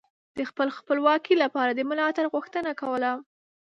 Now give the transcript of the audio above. د خپلې خپلواکۍ لپاره د ملاتړ غوښتنه کوله